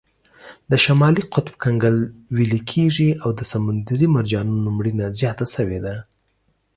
د شمالي قطب کنګل ویلې کیږي او د سمندري مرجانونو مړینه زیاته شوې ده.